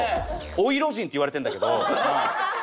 追いロジンって言われてるんだけど。